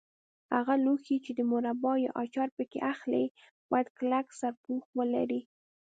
هغه لوښي چې مربا یا اچار پکې اخلئ باید کلک سرپوښ ولري.